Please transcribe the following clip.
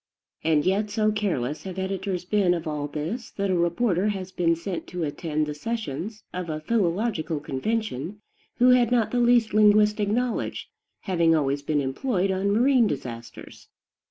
And yet so careless have editors been of all this that a reporter has been sent to attend the sessions of a philological convention who had not the least linguistic knowledge, having always been employed on marine disasters.